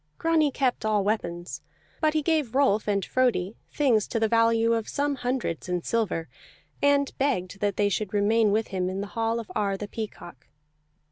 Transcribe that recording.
Grani kept all weapons; but he gave Rolf and Frodi things to the value of some hundreds in silver, and begged that they should remain with him in the hall of Ar the Peacock.